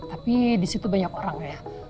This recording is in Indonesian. tapi di situ banyak orang ya